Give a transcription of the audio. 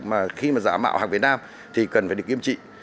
mà khi mà giả mạo hàng việt nam thì cần phải được nghiêm trị